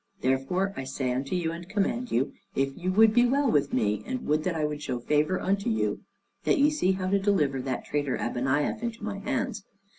Therefore I say unto you and command you, if you would be well with me, and would that I should show favor unto you, that ye see how to deliver that traitor Abeniaf into my hands.